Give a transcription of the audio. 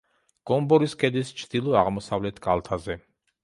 გომბორის ქედის ჩრდილო-აღმოსავლეთ კალთაზე.